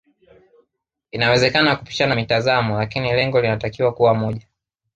Inawezakana kupishana mitazamo lakini lengo linatakiwa kuwa moja